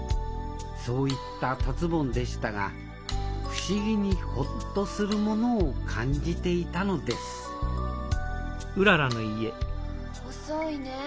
そう言った達ぼんでしたが不思議にほっとするものを感じていたのです遅いねえ。